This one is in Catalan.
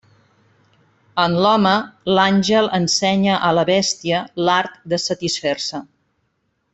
En l'home, l'àngel ensenya a la bèstia l'art de satisfer-se.